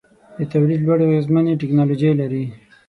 د تولید لوړې او اغیزمنې ټیکنالوجۍ لري.